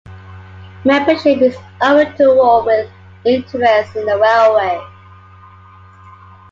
Membership is open to all with an interest in the railway.